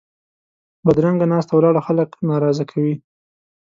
بدرنګه ناسته ولاړه خلک ناراضه کوي